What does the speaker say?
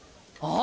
あ。